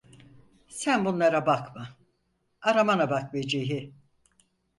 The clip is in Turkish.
Sen bunlara bakma, aramana bak Vecihi.